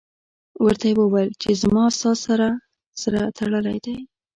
ورته یې وویل چې زما او ستا سر سره تړلی دی.